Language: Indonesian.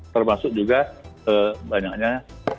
termasuk juga ee banyaknya ee